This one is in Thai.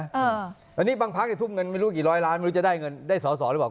อันนี้บางพักทุ่มเงินไม่รู้กี่ร้อยล้านไม่รู้จะได้เงินได้สอสอหรือเปล่า